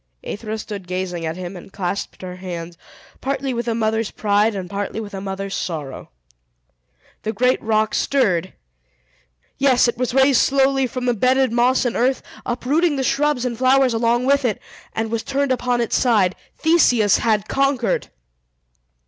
Aethra stood gazing at him, and clasped her hands, partly with a mother's pride, and partly with a mother's sorrow. The great rock stirred! Yes, it was raised slowly from the bedded moss and earth, uprooting the shrubs and flowers along with it, and was turned upon its side. Theseus had conquered!